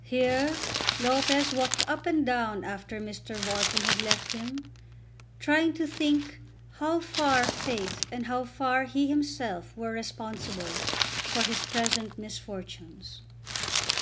Here Lopez walked up and down after Mr. Wharton had left him, trying to think how far Fate and how far he himself were responsible for his present misfortunes.